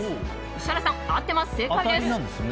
設楽さん、合ってます正解です！